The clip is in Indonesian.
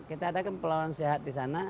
kita ada kan pelawan sehat di sana